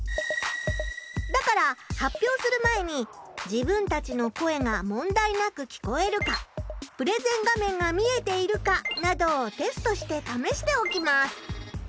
だから発表する前に自分たちの声が問題なく聞こえるかプレゼン画面が見えているかなどをテストしてためしておきます。